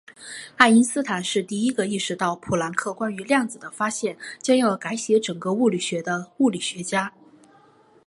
爱因斯坦是第一个意识到普朗克关于量子的发现将要改写整个物理学的物理学家。